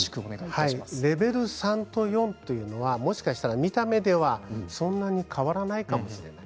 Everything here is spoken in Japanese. レベル３と４というのはもしかしたら見た目ではそんなに変わらないかもしれない。